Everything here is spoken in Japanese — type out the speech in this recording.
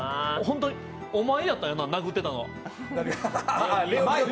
お前やったな、殴ってたの。